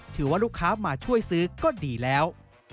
ถือว่าลูกค้ามาช่วยซื้อก็ดีแล้ว